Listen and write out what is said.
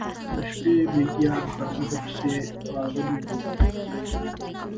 د شپې میږیان پر هغه پسې راغلي و.